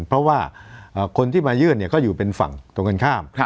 เพราะว่าคนที่มายื่นก็อยู่เป็นฝั่งตรงกันข้าม